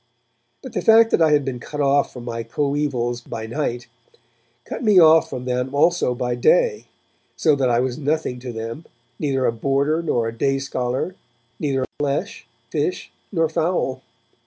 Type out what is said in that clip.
But the fact that I had been cut off from my coevals by night, cut me off from them also by day so that I was nothing to them, neither a boarder nor a day scholar, neither flesh, fish nor fowl.